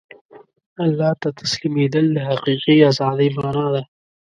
الله ته تسلیمېدل د حقیقي ازادۍ مانا ده.